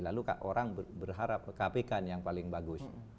lalu orang berharap kpk yang paling bagus